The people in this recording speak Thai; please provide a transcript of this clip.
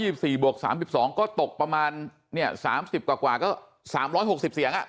๓๒๔บวก๓๒ก็ตกประมาณเนี่ย๓๐กว่ากว่าก็๓๖๐เสียงอ่ะ